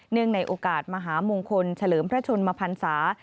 เนื่องในโอกาสมหามงคลเฉลิมพระชนมภัณฑ์ศาสตร์